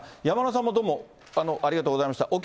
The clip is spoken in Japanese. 山村さんも、どうもありがとうございました。